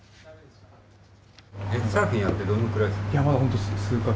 サーフィンやってどのくらいですか。